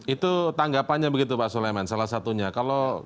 itu tanggapannya begitu pak suleman salah satunya